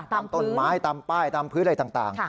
ตามต้นไม้ตามป้ายตามพื้นอะไรต่าง